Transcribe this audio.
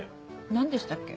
何でしたっけ？